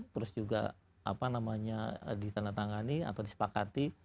terus juga apa namanya ditandatangani atau disepakati